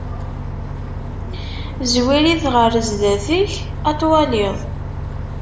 Zwir-it ɣer zdat-k ad t-twalliḍ.